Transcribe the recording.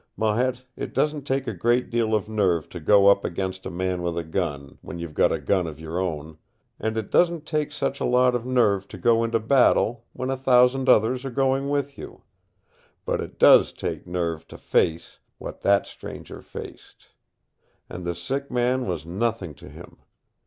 Marette, it doesn't take a great deal of nerve to go up against a man with a gun, when you've got a gun of your own; and it doesn't take such a lot of nerve to go into battle when a thousand others are going with you. But it does take nerve to face what that stranger faced. And the sick man was nothing to him.